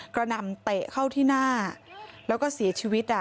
กระนำเตะเข้าที่หน้าแล้วก็สีชีวิตอ่ะ